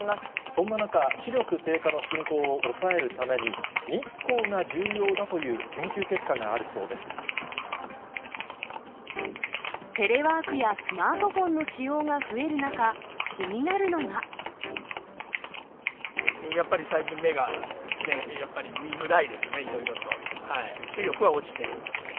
そんな中、視力低下の進行を抑えるために、日光が重要だという研究結果があテレワークやスマートフォンやっぱり最近、目がね、やっぱり見づらいですね、いろいろと、視力は落ちてますね。